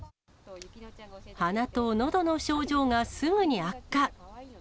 鼻とのどの症状がすぐに悪化。